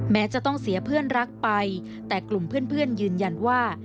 แม้จะต้องเสียเพื่อนรักไปแต่กลุ่มเพื่อนยืนยันว่า